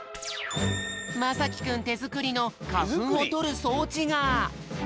まさきくんてづくりのかふんをとるそうちが！